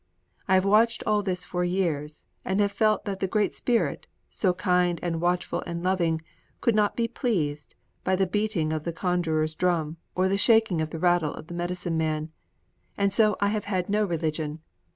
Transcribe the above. I have watched all this for years, and I have felt that the Great Spirit, so kind and watchful and loving, could not be pleased by the beating of the conjurer's drum or the shaking of the rattle of the medicine man. And so I have had no religion.